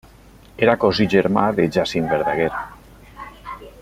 Era cosí germà de Jacint Verdaguer.